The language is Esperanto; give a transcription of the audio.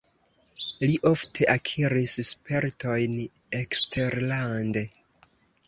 Li ofte akiris spertojn eksterlande.